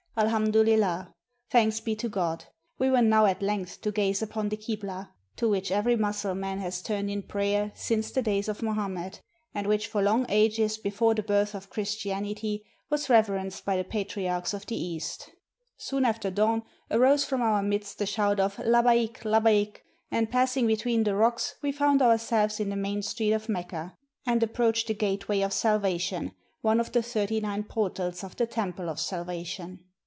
"Al hamdu Lillah!" Thanks be to God! we were now at length to gaze upon the Kiblah, to which every Mussul man has turned in prayer since the days of Muhammad, and which for long ages before the birth of Christianity was reverenced by the Patriarchs of the East. Soon after dawn arose from our midst the shout of " Labbaik ! Labbaik !" and passing between the rocks, we found our selves in the main street of Mecca, and approached the "Gateway of Salvation," one of the thirty nine portals of the "Temple of Salvation."